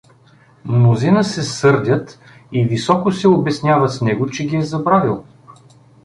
Мнозина се сърдят и високо се обясняват с него, че ги е забравил.